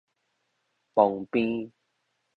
旁邊